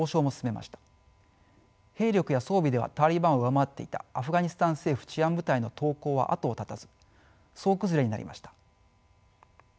兵力や装備ではタリバンを上回っていたアフガニスタン政府治安部隊の投降は後を絶たず総崩れになりました。